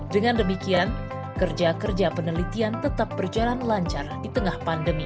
dengan demikian kerja kerja penelitian tetap berjalan lancar di tengah pandemi